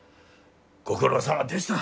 ご苦労さまでした。